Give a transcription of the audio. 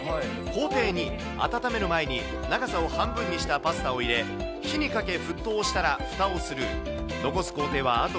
工程２、温める前に長さを半分にしたパスタを入れ、火にかけ沸騰したらふたをする。